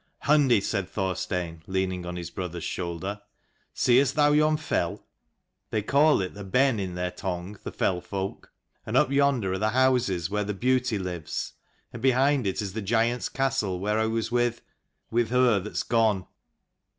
" Hundi," said Thorstein, leaning on his brother's shoulder, " Seest thou yon fell ? they call it the Benn in their tongue, the fell folk : and up yonder are the houses where the beauty lives : and behind it is the giant's castle, where I was with with her that's gone.